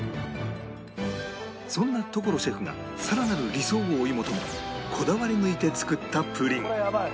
そんな所シェフがさらなる理想を追い求めこだわり抜いて作ったプリン